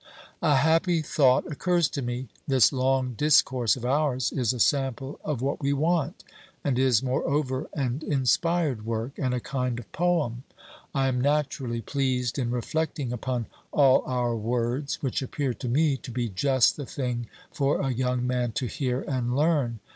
A happy thought occurs to me; this long discourse of ours is a sample of what we want, and is moreover an inspired work and a kind of poem. I am naturally pleased in reflecting upon all our words, which appear to me to be just the thing for a young man to hear and learn.